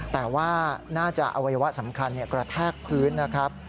แต่ว่าน่าจะอวัยวะสำคัญกระแทกพื้นนะครับ